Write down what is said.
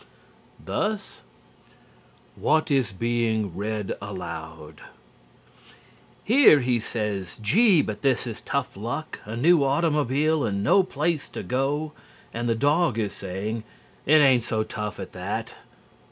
Thus: What Is Being Read Aloud "Here he says 'Gee but this is tough luck a new automobile an' no place to go' and the dog is saying 'It ain't so tough at that'.